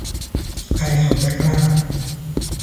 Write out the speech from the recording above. ใครเขาจะกล้า